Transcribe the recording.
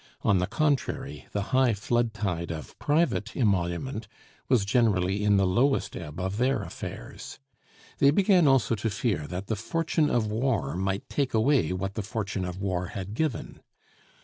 On the contrary, the high flood tide of private emolument was generally in the lowest ebb of their affairs. They began also to fear that the fortune of war might take away what the fortune of war had given.